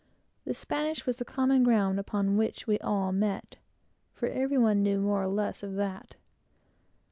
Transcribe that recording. The Spanish was the common ground upon which we all met; for every one knew more or less of that.